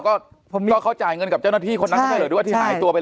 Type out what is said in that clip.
ก็เขาจ่ายเงินกับเจ้าหน้าที่คนนั้นก็ไม่เหลือด้วย